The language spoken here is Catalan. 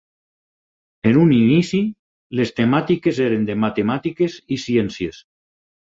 En un inici, les temàtiques eren de matemàtiques i ciències.